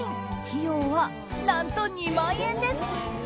費用は何と２万円です。